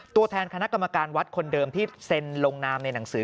ตัวแทนคณะกรรมการวัดคนเดิมที่เซ็นลงนามในหนังสือ